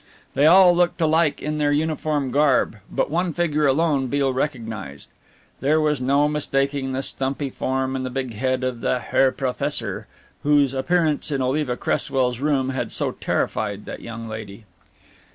They all looked alike in their uniform garb, but one figure alone Beale recognized. There was no mistaking the stumpy form and the big head of the Herr Professor, whose appearance in Oliva Cresswell's room had so terrified that young lady.